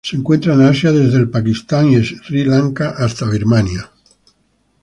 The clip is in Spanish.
Se encuentran en Asia: desde el Pakistán y Sri Lanka hasta Birmania.